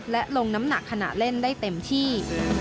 และลงน้ำหนักขณะเล่นได้เต็มที่